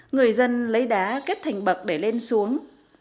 người dân lấy đá kết thành bậc để lên xuống